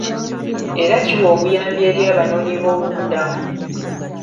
Era kiwa obuyambi eri abanoonyiboobubudamu.